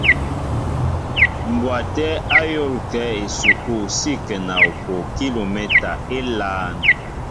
Mbwaté a yól kέ a esukul si ŋkέŋa okoʼo kilomɛta élāān.